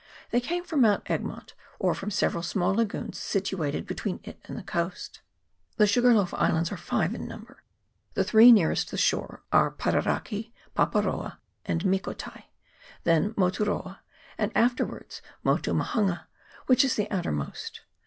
They came from Mount Egmont, or from several small lagoons situated be tween it and the coast. The Sugarloaf Islands are five in number: the three nearest the shore are Pararaki, Paparoa, and Mikotai ; then Moturoa ; and afterwards Motuma hanga, which is the outermost.